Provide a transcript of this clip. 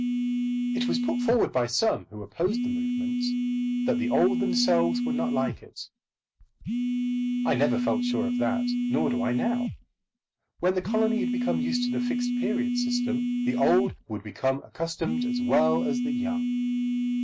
It was put forward by some who opposed the movement, that the old themselves would not like it. I never felt sure of that, nor do I now. When the colony had become used to the Fixed Period system, the old would become accustomed as well as the young.